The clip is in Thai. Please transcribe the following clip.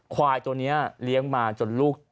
ควายตัวนี้เลี้ยงมาจนลูก